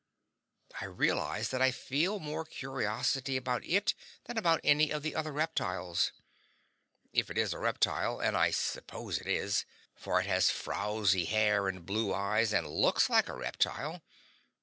I realize that I feel more curiosity about it than about any of the other reptiles. If it is a reptile, and I suppose it is; for it has frowzy hair and blue eyes, and looks like a reptile.